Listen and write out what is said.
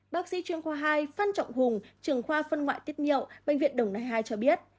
bác sĩ chuyên khoa hai phan trọng hùng trường khoa phân ngoại tiết nhiệu bệnh viện đồng nai hai cho biết